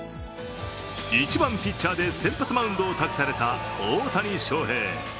１番・ピッチャーで先発マウンドを託された大谷翔平。